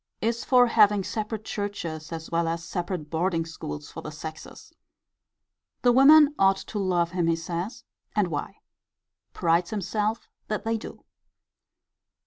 Is for having separate churches as well as separate boarding schools for the sexes. The women ought to love him, he says: and why. Prides himself that they do.